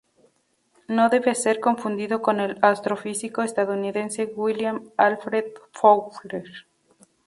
No debe ser confundido con el astrofísico estadounidense William Alfred Fowler.